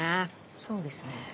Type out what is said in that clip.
そうですね。